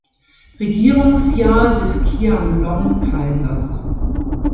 Regierungsjahr des Qianlong-Kaisers.